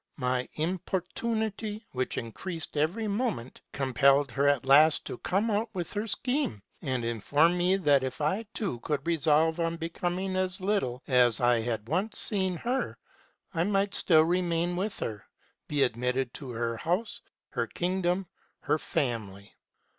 My importu nity, which increased every moment, compelled her at last to come out with her scheme, and inform me, that if I, too, could resolve on becoming as little as I had once seen her, I might still remain with her, be admitted to her house, her kingdom, her family.